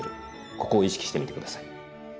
ここを意識してみて下さい。